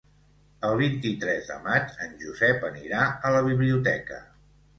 El vint-i-tres de maig en Josep anirà a la biblioteca.